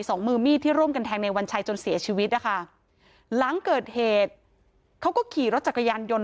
สองมือมีดที่ร่วมกันแทงในวันชัยจนเสียชีวิตนะคะหลังเกิดเหตุเขาก็ขี่รถจักรยานยนต์